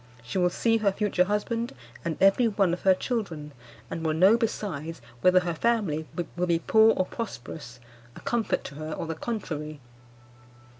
She will see her future husband and every one of her children, and will know besides whether her family will be poor or prosperous, a comfort to her or the contrary.